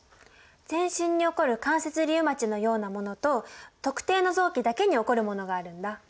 全身に起こる関節リウマチのようなものと特定の臓器だけに起こるものがあるんだ。